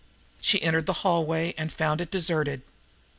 She entered the hallway, and found it deserted.